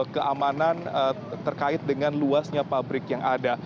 keamanan terkait dengan luasnya pabrik yang ada